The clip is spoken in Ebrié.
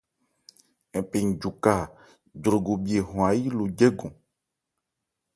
Npi njuka, Jrogobhye hɔn áyi lo jɛ́gɔn.